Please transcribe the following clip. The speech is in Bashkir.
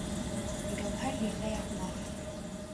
Гәүһәр ерҙә ятмаҫ.